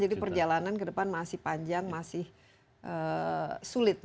jadi perjalanan ke depan masih panjang masih sulit